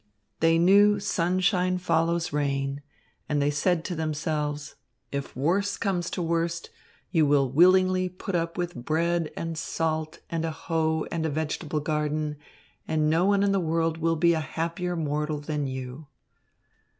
They knew sunshine follows rain, and they said to themselves, "If worse comes to worst, you will willingly put up with bread and salt and a hoe and a vegetable garden, and no one in the world will be a happier mortal than you."